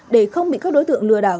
để không bị các đối tượng lừa đảo